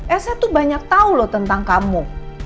elsa tuh banyak tahu loh tentang kamu